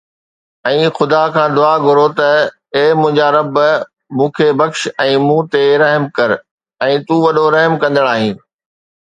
۽ خدا کان دعا گھرو ته اي منهنجا رب مون کي بخش ۽ مون تي رحم ڪر ۽ تون وڏو رحم ڪندڙ آهين